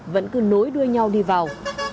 vẫn cứ nối đuôi nhau đi vào